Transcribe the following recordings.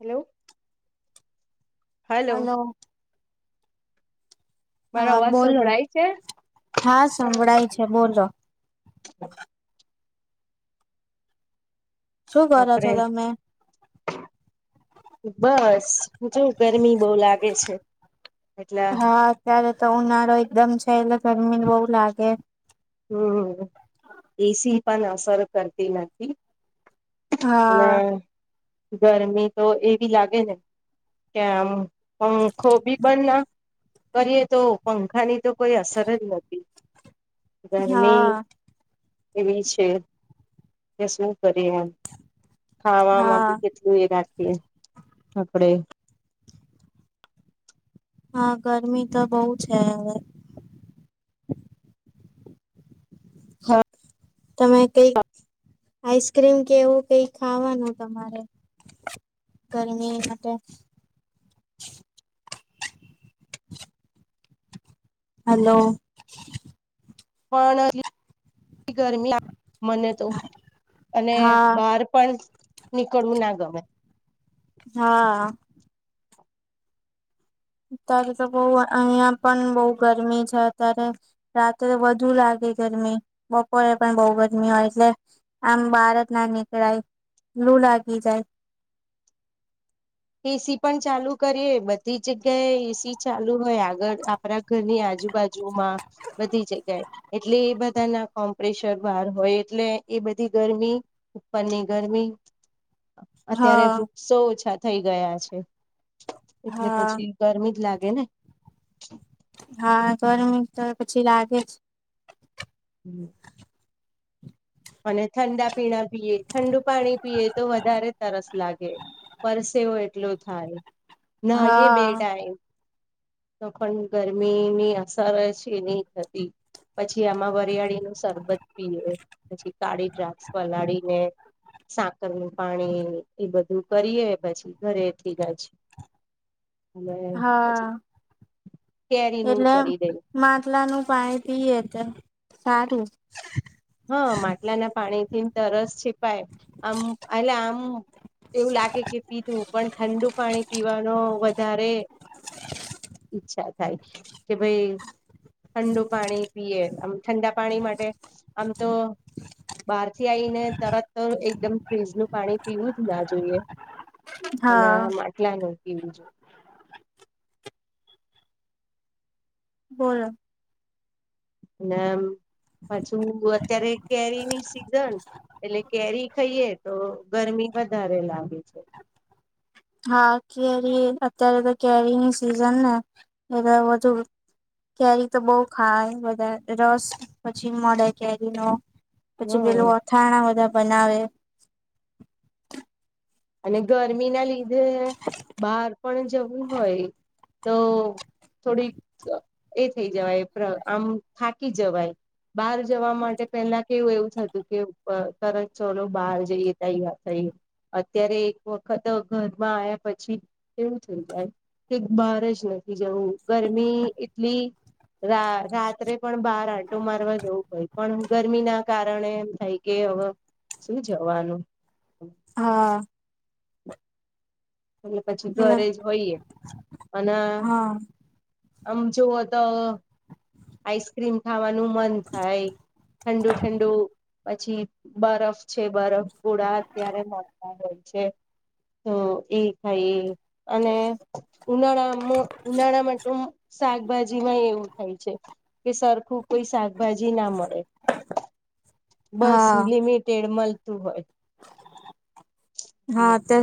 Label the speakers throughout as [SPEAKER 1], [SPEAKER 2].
[SPEAKER 1] Hello
[SPEAKER 2] hello
[SPEAKER 1] મારો
[SPEAKER 2] હા
[SPEAKER 1] અવાજ
[SPEAKER 2] બોલો
[SPEAKER 1] સંભળાય છે
[SPEAKER 2] હા સંભળાય છે, બોલો
[SPEAKER 1] [inaudible]
[SPEAKER 2] શું કરો છો
[SPEAKER 1] બાપરે
[SPEAKER 2] તમે?
[SPEAKER 1] બસ જો ગરમી બહુ લાગે છે એટલે
[SPEAKER 2] [inaudible] હા, અત્યારે તો ઉનાળો એકદમ છેલા જમીન બહુ લાગે
[SPEAKER 1] હમ્મ એસી પણ અસર કરતી નથી, અને
[SPEAKER 2] હા
[SPEAKER 1] ગરમી તો એવી લાગે ને કે પંખો બી બન કરીએ, તો પંખાની તો કોઈ અસર જ નથી. ગરમી
[SPEAKER 2] હા
[SPEAKER 1] એવી છે, કે શું કરી એમ ખાવામાં
[SPEAKER 2] હા
[SPEAKER 1] બી કેટલું એ રાખીએ આપડે
[SPEAKER 2] હા, ગરમી તો બહ છે હવે
[SPEAKER 1] હા
[SPEAKER 2] તમે કઈ આઈસ્ક્રીમ કે એવું કઈ ખાવાનું તમારે ગરમી માટે
[SPEAKER 1] [inaudible]
[SPEAKER 2] [unintelligible] હલો
[SPEAKER 1] પણ ગરમી મને તો અને
[SPEAKER 2] હા
[SPEAKER 1] બહાર પણ નીકળવું ના ગમે
[SPEAKER 2] હા અત્યારે તો બહ અહિયાં પણ બહ ગરમી છે, અત્યારે રાત્રે વધુ લાગે ગરમી બપોરે પણ બહ ગરમી હોય એટલે આમ બહાર જ ના નીકળાય લું લાગી જાય
[SPEAKER 1] [inaudible] એસી પણ ચાલુ કરીએ બધી જગ્યાએ એસી ચાલુ હોય આગળ આપણા ઘરની આ આજુબાજુમાં બધી જગ્યાએ એટલે એ બધા ના કોમ્પેશર બહાર હોય એટલે એ બધી ગરમી ઉપરની ગરમી અત્યારે
[SPEAKER 2] હા
[SPEAKER 1] વૃક્ષો ઓછા થઈ ગયા છે. એટલે
[SPEAKER 2] હા
[SPEAKER 1] પછી ગરમી જ લાગે ને
[SPEAKER 2] હા, તર તો પછી લાગે છે.
[SPEAKER 1] [inaudible] અને ઠંડા પીણા પીએ ઠંડુ પાણી પીએ તો વધારે તરસ લાગે પરસેવો એટલો થાય, ના એ
[SPEAKER 2] હા
[SPEAKER 1] બેટા એ તો પણ ગરમીની અસર છે, નહી થતી. પછી આમાં વરિયાળીનું સરરબત પીએ પછી કાળી દ્રાક્ષ પલાળીને સાકર નું પાણી એ બધું કરીએ પછી ઘરેથી જજ [inaudible]
[SPEAKER 2] હા,
[SPEAKER 1] કેરીનું
[SPEAKER 2] એટલે
[SPEAKER 1] કરી દઈ
[SPEAKER 2] માટલાનું પાણી ઈ એ તો સારું.
[SPEAKER 1] હા માટલા ના પાણી થી તરસ છીપાય આમ એટલે આમ એવું લાગે કે પીધું પણ ઠંડુ પાણી પીવાનો વ ધારે ઈચ્છા થાય. કે ભાઈ ઠંડુ પાણી પીયે ઠંડા પાણી માટે આમ તો બારથી આઈને તરત એકદમ ફ્રીજનું પાણી પીવું જ ના જોઈએ અને
[SPEAKER 2] હા
[SPEAKER 1] માટલાનું પીવું જો
[SPEAKER 2] બોલો
[SPEAKER 1] અને આમ પાછુ અત્યારે કેરી ની સિઝન એટલે કેરી ખઈએે તો ગરમી વધારે લાગે છે
[SPEAKER 2] હા કેરી અત્યારે તો કેરી ની સિઝન ને એ વધુ કેરી તો બઉ ખાય બધા રસ પછી મળે કેરી નો
[SPEAKER 1] હ
[SPEAKER 2] પછી પેલું અથાણા બધા બનાવે
[SPEAKER 1] અને ગરમી ના લીધે બહાર પણ જવું હોય તો થોડીક એ થઈ જવાય પ્ર આમ થાકી જવાય બાર જવા માટે પેલા કેવું એવું થતું કે તરત ચોલો બાર જઈએ તૈયાર થઇ [unintelligible] અત્યારે એક વખત ઘરમાં આયા પછી એવુ થઈ જાય કે બાર જ નથી જવું ગરમી એટલી રા-રાત્રે પણ બાર આંટો મારવા જવું હોઈ પણ ગરમીના કારણે એમ થાય કે હવે શું જવાનું
[SPEAKER 2] હા
[SPEAKER 1] એટલે પછી
[SPEAKER 2] એટલે
[SPEAKER 1] ઘરે જ હોઈએ અન
[SPEAKER 2] હા
[SPEAKER 1] આમ જુઓ તો આઈસ્ક્રીમ ખાવા નુ મન થાય ઠંડુ ઠંડુ પછી બરફ છે બરફ ગોડા અત્યારે મળતા હોય છે તો એ ખાઈ અને ઉનાળા મો ઉનાળા માટે શાકભાજી માં એવુ થાય છે કે સરખું કોઈ શાકભાજી ના મળે બસ
[SPEAKER 2] હા
[SPEAKER 1] લિમિટેડ મળતું હોય
[SPEAKER 2] હા તો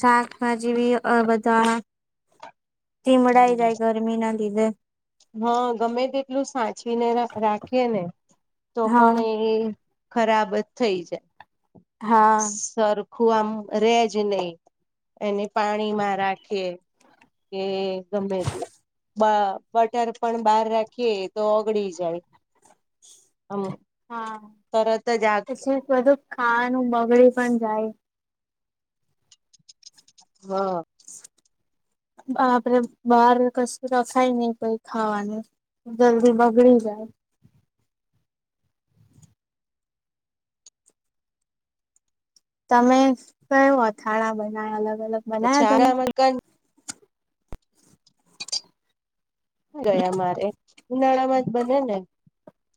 [SPEAKER 2] શા ભાજી ભી અ બધા ધીમડાઈ જાય ગરમી ના દીધે
[SPEAKER 1] હા ગમે તેટલું સાચવીને રા રાખીએ ને તો
[SPEAKER 2] હા
[SPEAKER 1] પણ એ ખરાબ થઈ જા
[SPEAKER 2] હા
[SPEAKER 1] ખોવામાં રે જ નઈ એને પાણીમાં રાખીએ કે ગમે તે બ-બટર પણ બહાર રાખીએ તો ઓગળી જાય આમ
[SPEAKER 2] હા
[SPEAKER 1] તરત જ આગ
[SPEAKER 2] પછી બધું ખાવાનું બગડી પણ જાય
[SPEAKER 1] હા
[SPEAKER 2] આપડે બાર કશું રખાય નઈ કઈ ખાવાનું જલ્દી બગડી જાય તમે કયો અથાણા બનાવ અલગ અલગ
[SPEAKER 1] પછી
[SPEAKER 2] બનાયા તમે?
[SPEAKER 1] આરામાં ક ગયા મારે ઉનાળામાં જ બને ને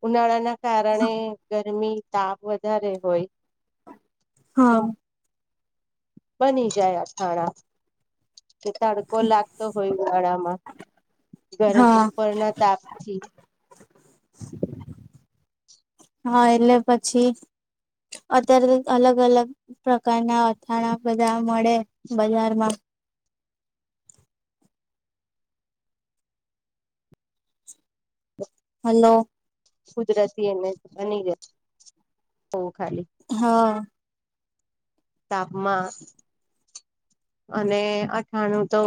[SPEAKER 1] ઉનાળા ના કારણે જે ગરમી તાપ વધારે હોય તો
[SPEAKER 2] હા
[SPEAKER 1] બની જાય આથાણા કે તડકો લાગતો હોય ઉનાળામાં ગર
[SPEAKER 2] હા
[SPEAKER 1] ઉપરના તાપથી
[SPEAKER 2] હા એટલે પછી અત્યારે અલગ અલગ પ્રકારના અથાણા બધા મળે બજારમાં હાલો.
[SPEAKER 1] કુદરતી એને હનીવેગ [inaudible]
[SPEAKER 2] હા.
[SPEAKER 1] તાપમા અને અઠાણું તો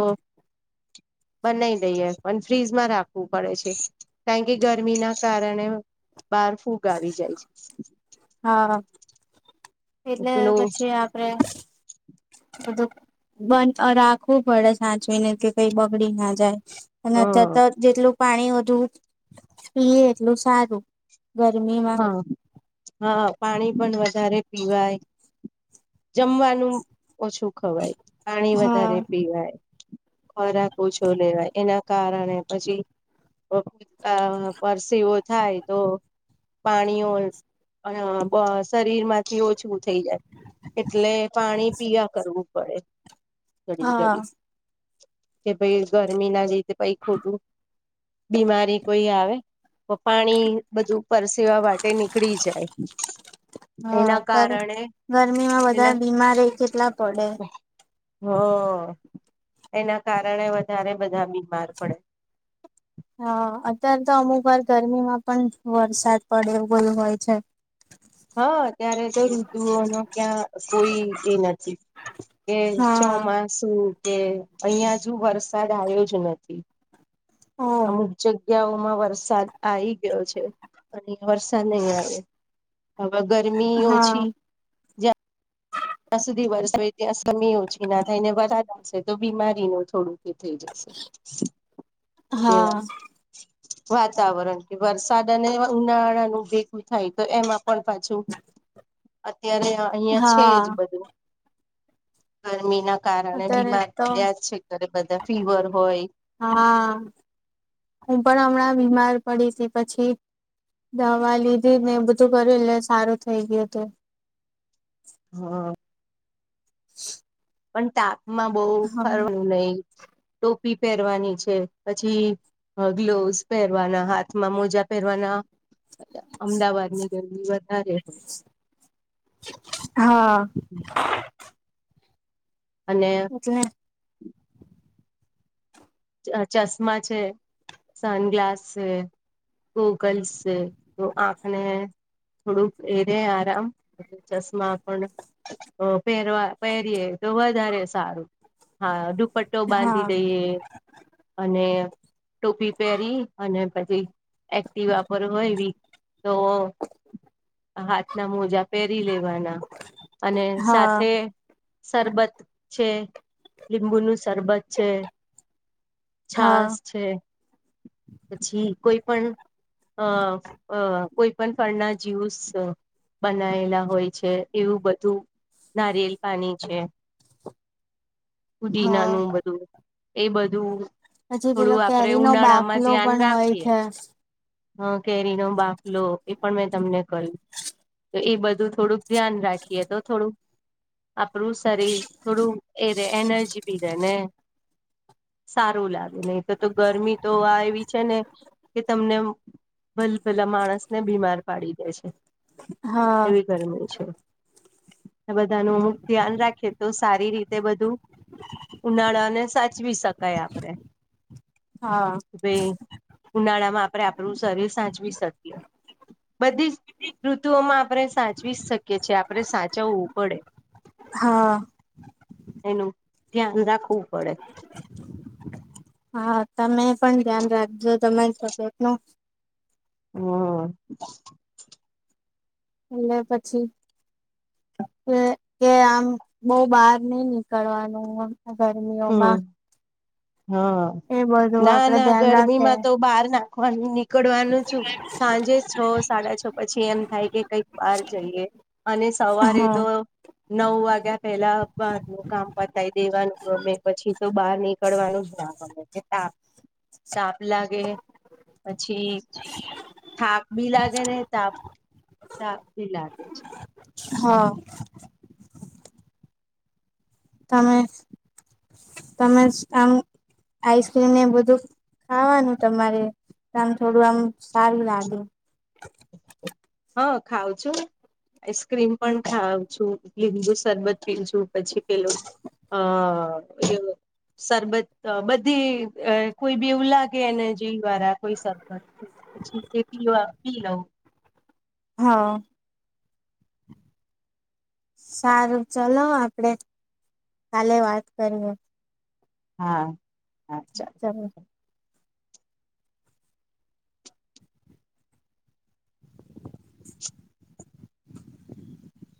[SPEAKER 1] [inaudible] બનાઈ દઈએ પણ ફ્રીજમાં રાખવું પડે છે. કારણ કે ગરમી ના કારણે બાર ફૂગ આવી જાય છે.
[SPEAKER 2] હા એટલે
[SPEAKER 1] પેલું
[SPEAKER 2] પછી આપડે બધું બધ રાખવું પડે સાચવીને કે કઈ બગડી ના જાય. અને અત્યાર
[SPEAKER 1] હા
[SPEAKER 2] તો જેટલું પાણી વધુ પીએ એટલું સારું. ગરમીમાં.
[SPEAKER 1] હા, હા. પાણી પણ વધારે પીવાય. જમવાનું ઓછું ખવાય પાણી
[SPEAKER 2] હા.
[SPEAKER 1] વધારે પીવાય. ખોરાક ઓછો લેવાય એના કારણે પછી [inaudible] પરસીઓ થાય તો પાણીઓ શરીર માંથી ઓછું થઈ જાય એટલે પાણી પીવા કરવું પડે ઘડી
[SPEAKER 2] હા
[SPEAKER 1] ઘડી. કે ભાઈ ગરમી ના રીતે કાઈ ખોટું બીમારી કોઈ આવે તો પાણી બધું પરસેવા વાટે નીકળી જાય.
[SPEAKER 2] હા
[SPEAKER 1] એના
[SPEAKER 2] અત્યારે
[SPEAKER 1] કારણે
[SPEAKER 2] ગરમીમાં બધા
[SPEAKER 1] એના
[SPEAKER 2] બીમારે કેટલા પડે.
[SPEAKER 1] હા. એના કારણે વધારે બધા બીમાર પડે.
[SPEAKER 2] હા, અત્યારે તો અમુક વાર ગરમીમાં પણ વરસાદ પડે હોય [unintelligible] છે.
[SPEAKER 1] હા ત્યારે તો ઋતુઓ નો ક્યાં કોઈ એ નથી. કે
[SPEAKER 2] હા.
[SPEAKER 1] ચોમાસું કે અહિયાં જો વરસાદ આવ્યો જ નથી.
[SPEAKER 2] ઓહ
[SPEAKER 1] અમુક જગ્યાઓમાં વરસાદ આવી ગયો છે અને વરસાદ નહી આવે. હવે ગરમી
[SPEAKER 2] હા
[SPEAKER 1] ઓછી જા ત્યાં સુધી વરસોય ત્યાં સમય ઓછી ના થાય ને વધારેશે તો બીમારી ની થોડુંક એ થઈ જશે એવા
[SPEAKER 2] હા
[SPEAKER 1] વાતાવરણ કે વરસાદ અને ઉનાળાનું ભેગું થાય તો એમાં પણ પાછું અત્યારે અહિયાં છે જ
[SPEAKER 2] હા
[SPEAKER 1] ગરમીમાં કારણે
[SPEAKER 2] અત્યારે
[SPEAKER 1] બીમાર
[SPEAKER 2] તો
[SPEAKER 1] પડ્યા જ છે ઘરે બધા. ફીવર હોય
[SPEAKER 2] હા હું પણ હમણાં બીમાર પડીશ પછી દવા લીધી ને બધું કર્યું એટલે સારું થઈ ગયું તું.
[SPEAKER 1] હા. પણ તાપમાં બહુ
[SPEAKER 2] હા
[SPEAKER 1] ફરવું નહી. ટોપી પેરવાની છે. પછી હ ગ્લોવસ પહેરવાના હાથમાં મોજા પહેરવાના અમદાવાદ ની ગરમી વધારે હોય
[SPEAKER 2] હા.
[SPEAKER 1] અને
[SPEAKER 2] એટલે
[SPEAKER 1] ચશ્મા છે, સન ગ્લાસ છે ગૂગલ્સ છે તો આખને થોડુંક એરે આરામ ચશ્મા પણ પહેરવા પહેરીએ તો વધારે સારું. હા દુપટ્ટો બાંધી
[SPEAKER 2] હા
[SPEAKER 1] દઈએ અને ટોપી પહેરી અને પછી એક્ટ વાપર હોય એવી તો હાથ ના મોજા પહેરી લેવાના અને
[SPEAKER 2] હા
[SPEAKER 1] સાથે શરબત છે, લીંબુ ન સરરબત છે, છાસ
[SPEAKER 2] હા
[SPEAKER 1] છે, પછી કોઈ પણ અ અ કોઈ પણ ફળના જ્યુસ બનાવેલા હોય છે, એવું બધું નારિયેલ પાણી છે,
[SPEAKER 2] હા
[SPEAKER 1] પુદીિનાનું બધું એ બધું
[SPEAKER 2] પછી પેલો
[SPEAKER 1] થોડું આપડે
[SPEAKER 2] કેરી નો
[SPEAKER 1] ઉનાળામાં
[SPEAKER 2] બાફલો
[SPEAKER 1] ધ્યાન
[SPEAKER 2] પણ હોય
[SPEAKER 1] રાખીએ
[SPEAKER 2] છે,
[SPEAKER 1] હ કેરીનો બાફલો એ પણ મેં તમને કર્યું તો એ બધું થોડુંક ધ્યાન રાખીએ તો થોડું આપણું શરીર થોડું એ રે એનર્જી બી રે ને સારું લાગે નહી તો તો ગરમી તો આ એવી છે, ને કે તમને ભલ ભલા માણસ ને બીમાર પાડી દે છે,
[SPEAKER 2] હા
[SPEAKER 1] એવી ગરમી છે, આ બધા ન અમુક ધ્યાન રાખેએ તો સારી રીતે બધું ઉનાળાને સાચવી શકાય આપડે.
[SPEAKER 2] હા,
[SPEAKER 1] ઉનાળા માં આપણે આપણું શરીર સાચવી શકીએ. બધી જ ઋતુઓમાં આપણે સાચવી જ શકીએ, છીએ આપણે સાચવવું પડે,
[SPEAKER 2] હા,
[SPEAKER 1] એનું ધ્યાન રાખવું પડે,
[SPEAKER 2] હા, તમે પણ ધ્યાન રાખજો તમારી તબિયત નું
[SPEAKER 1] હમ્મ
[SPEAKER 2] એટલે પછી કે કે આમ બહ બહાર નઈ નીકળવાનું, ગરમીઓમાં
[SPEAKER 1] હમ હા,
[SPEAKER 2] એ બધું
[SPEAKER 1] ના
[SPEAKER 2] આપડે
[SPEAKER 1] ના
[SPEAKER 2] ધ્યાન
[SPEAKER 1] ગરમી
[SPEAKER 2] રાખે
[SPEAKER 1] માં તો બહાર નાખવાનું નીક નીકડવાનું છું, સાંજે છ સાડા છ પછી એમ થાય કે કઈક બાર જઈએ અને સવારે
[SPEAKER 2] હા
[SPEAKER 1] તો નવ વાગ્યા પેલા બાર નું કામ પતાય દેવાનું ગમે પછી તો બહાર નીકળવાનું જ ના ગમે કે તાપ તાપ લાગે પછી થાક બી લાગે ને તાપ તાપ બી લાગે છે,
[SPEAKER 2] હા તમે તમે આમ આઈસ્ક્રીમ ને બધું ખાવાનું તમારે આમ થોડું આમ સારું લાગે,
[SPEAKER 1] હા, ખાવં છું આઈસ્ક્રીમ પણ ખાવ છું લીબુ સરબત્રીજું પછી પેલું અ એ સરબત બધી કોઈ બીવું લાગેને જે વાળા કોઈ સરબત પછી તે પી પી લઉ
[SPEAKER 2] હા સારું ચલો આપડે કાલે વાત કરીએ,
[SPEAKER 1] હા હા ચાલ
[SPEAKER 2] ચાલો [inaudible]